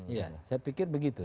iya saya pikir begitu